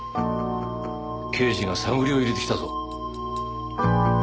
刑事が探りを入れてきたぞ。